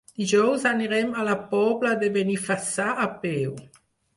Dijous anirem a la Pobla de Benifassà a peu.